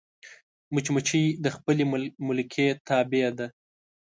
مچمچۍ د خپلې ملکې تابع ده